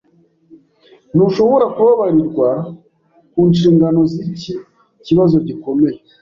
Ntushobora kubabarirwa ku nshingano ziki kibazo gikomeye.